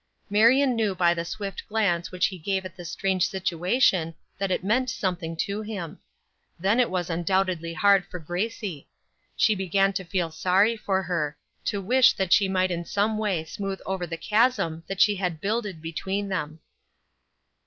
Marion knew by the swift glance which he gave at this strange situation that it meant something to him. Then it was doubly hard for Gracie. She began to feel sorry for her; to wish that she might in some way smooth over the chasm that she had builded between them.